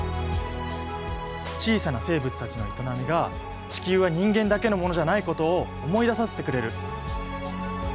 小さな生物たちの営みが地球は人間だけのものじゃないことを思い出させてくれる。